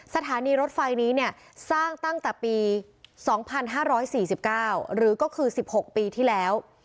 สถานีรถไฟนี้เนี่ยสร้างตั้งแต่ปี๒๕๔๙หรือก็คือ๑๖ปีที่แล้ว